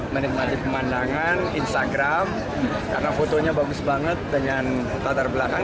menikmati pemandangan instagram karena fotonya bagus banget dengan latar belakang